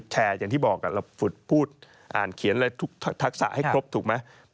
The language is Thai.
แชร์อย่างที่บอกเราพูดอ่านเขียนทักษะให้ครบถูกไหม